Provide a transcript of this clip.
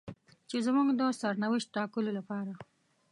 چې زموږ د سرنوشت ټاکلو لپاره.